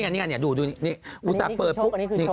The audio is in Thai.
นี่ดูนี่อุตส่าห์เปิดปุ๊บ